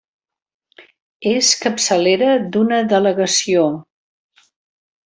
És capçalera d'una delegació.